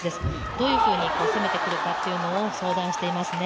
どういうふうに攻めてくるかというのを相談していますね。